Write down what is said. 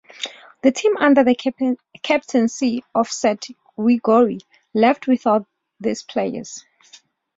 The team, under the captaincy of Syd Gregory, left without these players.